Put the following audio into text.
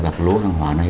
và các lỗ hàng hóa này